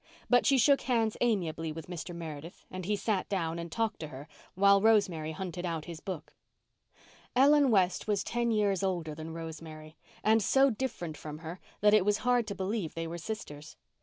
But she shook hands amiably with Mr. Meredith and he sat down and talked to her, while Rosemary hunted out his book. Ellen West was ten years older than Rosemary, and so different from her that it was hard to believe they were sisters.